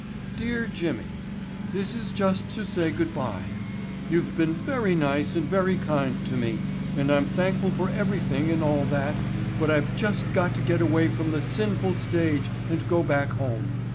Dear Jimmy: This is just to say good bye. You've been very nice and very kind to me and I'm thankful for everything and all that, but I've just got to get away from the sinful stage and go back home.